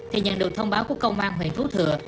thì nhận được thông báo của công an huyện phú thừa